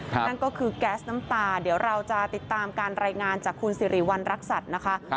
นั่นก็คือแก๊สน้ำตาเดี๋ยวเราจะติดตามการรายงานจากคุณสิริวัณรักษัตริย์นะคะ